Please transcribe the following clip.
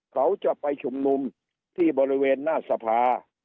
เขาจะไปชุมนุมที่บริเวณหน้าสภา